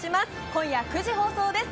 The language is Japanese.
今夜９時放送です。